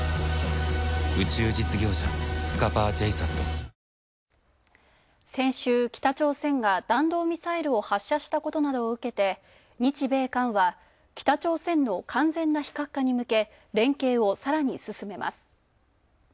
そういうこともありますので、先週、北朝鮮が弾道ミサイルを発射したことなどを受けて日米韓は北朝鮮の完全な非核化に向け連携をさらに進めます。